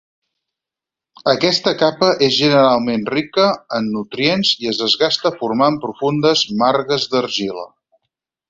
Aquesta capa és generalment rica en nutrients i es desgasta formant profundes margues d'argila.